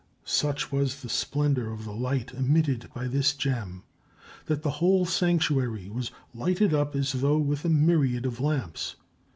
Such was the splendor of the light emitted by this gem that the whole sanctuary was lighted up as though with a myriad of lamps.